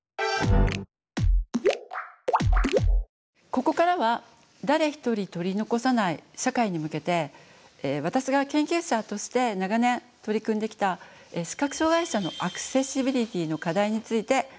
ここからは誰ひとり取り残さない社会に向けて私が研究者として長年取り組んできた視覚障害者のアクセシビリティーの課題についてお話ししたいと思います。